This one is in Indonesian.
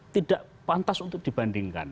tidak pantas untuk dibandingkan